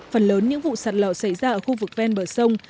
phần lớn những vụ sạt lở xảy ra ở khu vực ven bờ sông